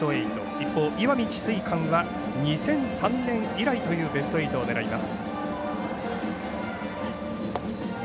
一方、石見智翠館は２００３年以来というベスト８を狙います。